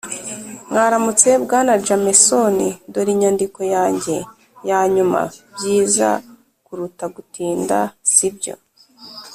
mwaramutse, bwana jameson. dore inyandiko yanjye yanyuma. byiza kuruta gutinda, si byo? ”